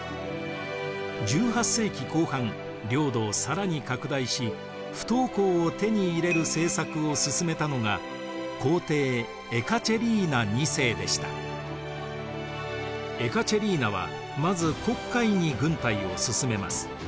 １８世紀後半領土を更に拡大し不凍港を手に入れる政策を進めたのが皇帝エカチェリーナはまず黒海に軍隊を進めます。